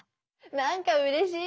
なんかうれしい。